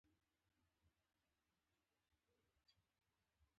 احمد دوی دا یوه مياشت راباندې اړولي دي.